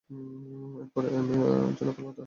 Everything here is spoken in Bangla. এরপর এমএ পড়ার জন্য কলকাতা আসেন।